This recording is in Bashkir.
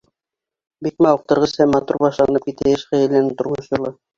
Бик мауыҡтырғыс һәм матур башланып китә йәш ғаиләнең тормош юлы.